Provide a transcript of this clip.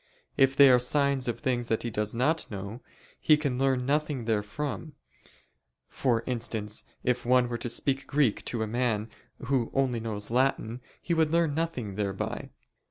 If they are signs of things that he does not know, he can learn nothing therefrom: for instance, if one were to speak Greek to a man who only knows Latin, he would learn nothing thereby.